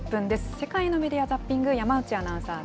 世界のメディア・ザッピング、山内アナウンサーです。